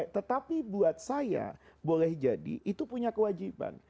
tetapi buat saya boleh jadi itu punya kewajiban